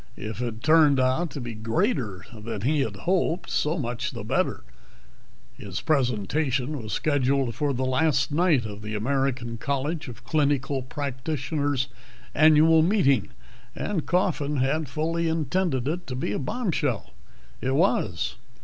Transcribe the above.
If it turned out to be greater than he had hoped, so much the better. His presentation was scheduled for the last night of the American College of Clinical Practitioners' annual meeting, and Coffin had fully intended it to be a bombshell. It was.